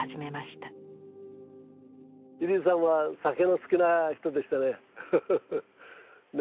位里さんは酒の好きな人でしたね。